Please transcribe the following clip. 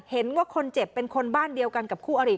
เห็นว่าคนเจ็บเป็นคนบ้านเดียวกันกับคู่อริ